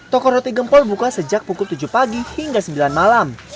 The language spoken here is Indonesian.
toko roti gempol buka sejak pukul tujuh pagi hingga sembilan malam